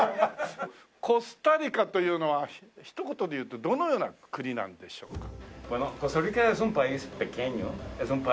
コスタリカというのはひと言でいうとどのような国なんでしょうか？